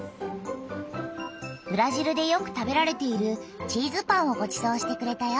ブラジルでよく食べられているチーズパンをごちそうしてくれたよ。